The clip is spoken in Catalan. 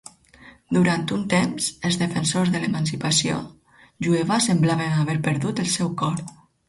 Durant un temps, els defensors de l"emancipació jueva semblaven haver perdut el seu cor.